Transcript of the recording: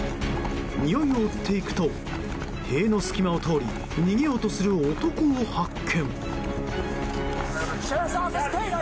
においを追っていくと塀の隙間を通り逃げようとする男を発見。